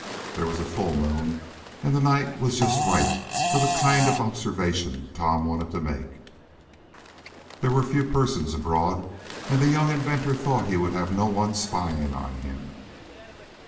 There was a full moon, and the night was just right for the kind of observation Tom wanted to make. There were few persons abroad, and the young inventor thought he would have no one spying on him.